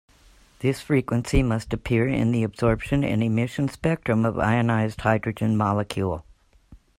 This frequency must appear in the absorption and emission spectrum of ionized hydrogen molecule.